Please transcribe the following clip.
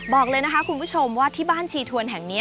บอกเลยนะคะคุณผู้ชมว่าที่บ้านชีทวนแห่งนี้